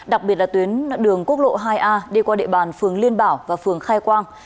đặc biệt là tuyến đường quốc lộ hai a đi qua địa bàn phường liên bảo và phường khai quang